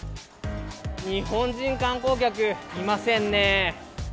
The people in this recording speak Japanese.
日本人観光客、いませんね。